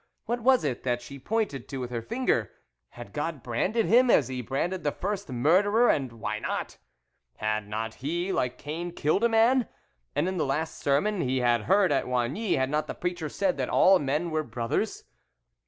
What was it that she pointed to with her finger ? Had God branded him, as He branded the first murderer ? And why not ? Had not he, like Cain, killed a man ? and in the last sermon he had heard at Oigny had not the preacher said that all men were brothers?